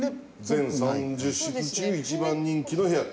全３０室中一番人気の部屋